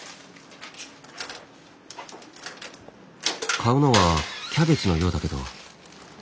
買うのはキャベツのようだけど。